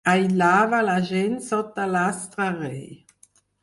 Aïllava la gent sota l'astre rei.